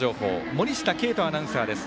森下桂人アナウンサーです。